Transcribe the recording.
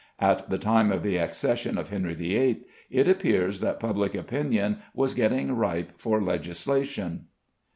At the time of the accession of Henry VIII. it appears that public opinion was getting ripe for legislation.